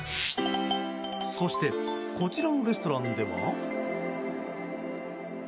そしてこちらのレストランでは。